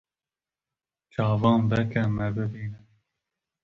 Çavan veke me bibîne